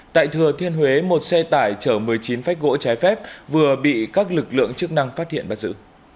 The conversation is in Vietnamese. tại thừa thiên huế một xe tải chở một mươi chín phách gỗ trái phép vừa bị các lực lượng chức năng phát hiện bắt giữ